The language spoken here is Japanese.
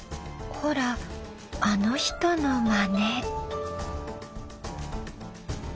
ほらあの人のマネ。